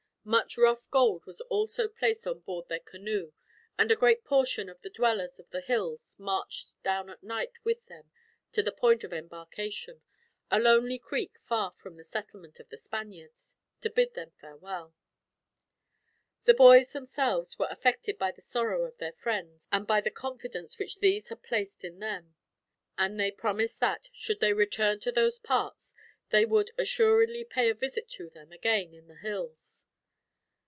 Much rough gold was also placed on board their canoe, and a great portion of the dwellers of the hills marched down at night with them to the point of embarkation, a lonely creek far from the settlement of the Spaniards, to bid them farewell. The boys, themselves, were affected by the sorrow of their friends, and by the confidence which these had placed in them; and they promised that, should they return to those parts, they would assuredly pay a visit to them, again, in the hills.